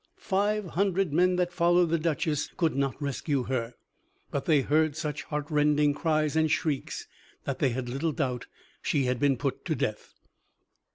Five hundred men that followed the duchess could not rescue her, but they heard such heartrending cries and shrieks that they had little doubt she had been put to death.